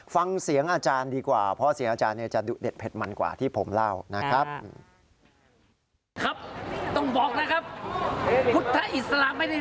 ฟังเสียงอาจารย์ดีกว่าเพราะเสียงอาจารย์จะดุเด็ดเผ็ดมันกว่าที่ผมเล่านะครับ